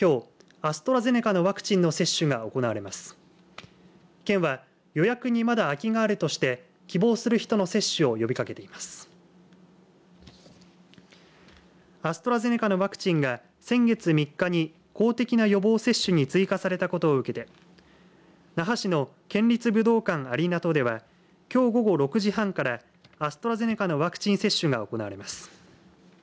アストラゼネカのワクチンが先月３日に公的な予防接種に追加されたことを受けて那覇市の県立武道館アリーナ棟ではきょう午後６時半からアストラゼネカのワクチン接種が行われます。